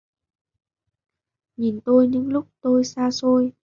Nhìn tôi những lúc tôi xa xôi.